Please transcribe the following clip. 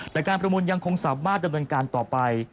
แต่การประมูลยังคงสามารถดำเนินการต่อไป